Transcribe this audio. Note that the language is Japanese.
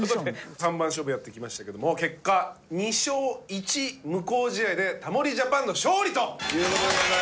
三番勝負やってきましたけども結果２勝１無効試合でタモリＪＡＰＡＮの勝利という事でございます。